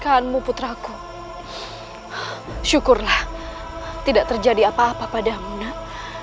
kamu putraku syukurlah tidak terjadi apa apa padamu nak